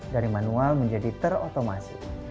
dari manual menjadi terotomasi